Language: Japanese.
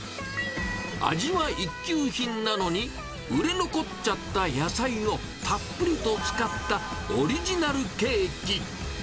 味は一級品なのに、売れ残っちゃった野菜をたっぷりと使った、オリジナルケーキ。